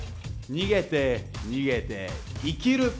逃げて逃げて生きる！